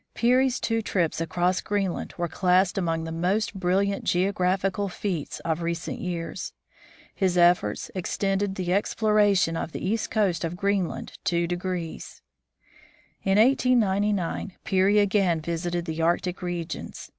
Peary's two trips across Greenland are classed among the most brilliant geographical feats of recent years. .His efforts extended the exploration of the east coast of Green land two degrees. In 1899 Peary again visited the Arctic regions.